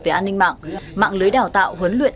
về an ninh mạng mạng lưới đào tạo huấn luyện